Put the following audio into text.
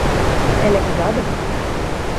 Ela é casada?